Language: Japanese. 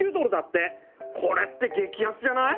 これって激安じゃない？